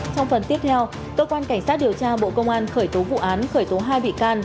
trong phần tiếp theo cơ quan cảnh sát điều tra bộ công an khởi tố vụ án khởi tố hai bị can